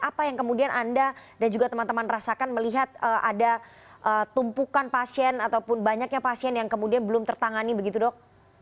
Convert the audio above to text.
apa yang kemudian anda dan juga teman teman rasakan melihat ada tumpukan pasien ataupun banyaknya pasien yang kemudian belum tertangani begitu dok